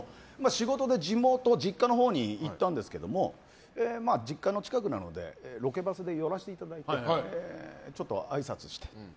仕事で実家のほうに行ったんですけど実家の近くなのでロケバスで寄らせていただいてちょっとあいさつして。